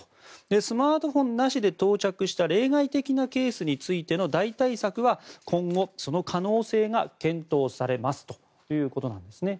スマートフォンなしで到着した例外的なケースについての代替策は今後、その可能性が検討されますということなんです。